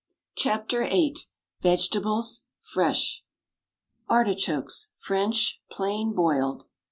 CHAPTER VIII. VEGETABLES, FRESH. ARTICHOKES, FRENCH, PLAIN BOILED.